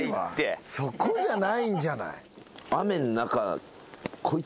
そこじゃないんじゃない？